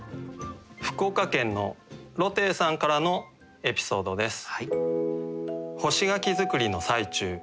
福岡県の鷺汀さんからのエピソードです。